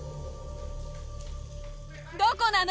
どこなの？